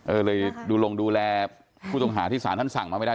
เออเลยดูลงดูแลผู้ต้องหาที่สารท่านสั่งมาไม่ได้